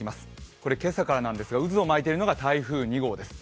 これ今朝からなんですが、渦を巻いているのが台風２号です。